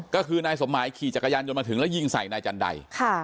ก็คือนายสมหมายขี่จักรยานยนต์มาถึงแล้วยิงใส่นายจันได